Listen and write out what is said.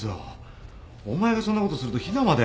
お前がそんなことするとひなまで。